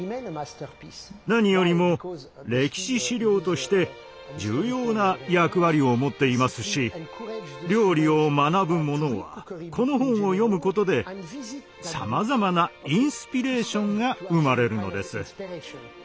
何よりも歴史資料として重要な役割を持っていますし料理を学ぶ者はこの本を読むことでさまざまなインスピレーションが生まれるのです。